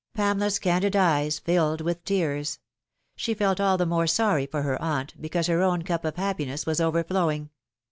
Pamela's candid eyes filled with tears. She felt all the more Bony for her aunt, because her own cup of happiness was over flowing.